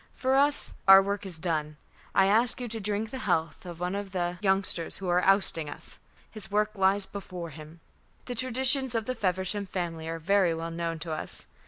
For us, our work is done. I ask you to drink the health of one of the youngsters who are ousting us. His work lies before him. The traditions of the Feversham family are very well known to us.